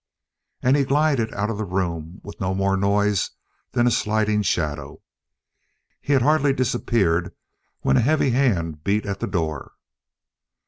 And he glided out of the room with no more noise than a sliding shadow. He had hardly disappeared when a heavy hand beat at the door.